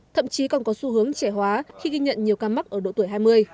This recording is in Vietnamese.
thậm chí còn có xu hướng trẻ hóa khi ghi nhận nhiều ca mắc ở độ tuổi hai mươi